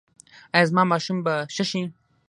ایا زما ماشوم به ښه شي؟